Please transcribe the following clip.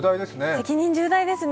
責任重大ですね。